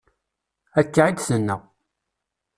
Akka i d-tenna.